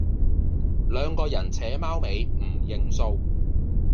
兩個人扯貓尾唔認數